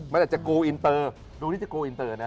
มันอาจจะกูอินเตอร์ดูนี่จะกูอินเตอร์นะ